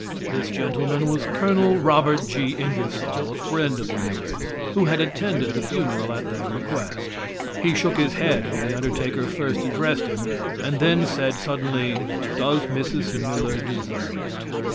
This gentleman was Col. Robert G. Ingersoll, a friend of the Millers, who had attended the funeral at their request. He shook his head when the undertaker first addressed him, and then said suddenly, "Does Mrs. Miller desire it?"